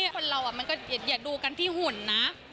คนเรามันก็อย่าดูกันที่หุ่นนะ